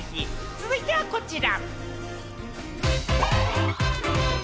続いてはこちら。